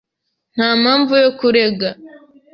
Nta mpamvu yo kurega.